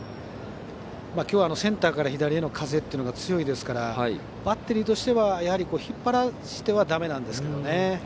今日はセンターから左への風が強いですからバッテリーとしてはやはり引っ張らせてはだめなんですけど。